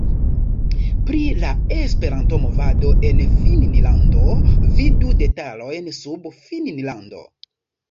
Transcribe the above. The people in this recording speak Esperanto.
Pri la Esperanto-movado en Finnlando: vidu detalojn sub Finnlando.